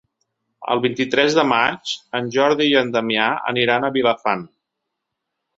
El vint-i-tres de maig en Jordi i en Damià aniran a Vilafant.